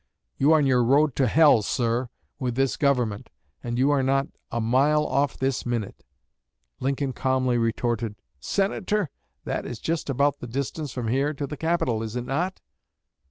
You are on your road to h l, sir, with this Government, and you are not a mile off this minute." Lincoln calmly retorted, "Senator, that is just about the distance from here to the Capitol, is it not?"